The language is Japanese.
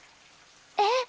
えっ！